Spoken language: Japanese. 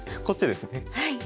こっちですね。